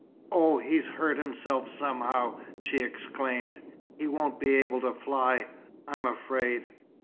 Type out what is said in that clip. "Oh, he's hurt himself somehow!" she exclaimed. "He won't be able to fly, I'm afraid.